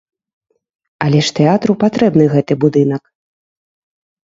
Але ж тэатру патрэбны гэты будынак.